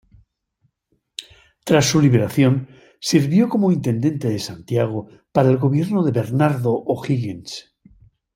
Tras su liberación sirvió como Intendente de Santiago para el gobierno de Bernardo O'Higgins.